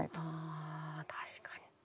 ああ確かに。